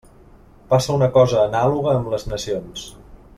Passa una cosa anàloga amb les nacions.